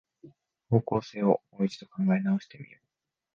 方向性をもう一度考え直してみよう